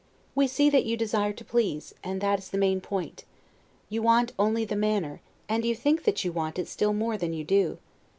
We see that you desire to please, and that is the main point; you want only the manner, and you think that you want it still more than you do.